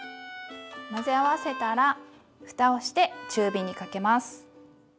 混ぜ合わせたらふたをして中火にかけます。